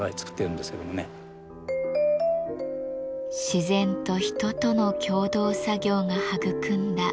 自然と人との共同作業が育んだ結晶です。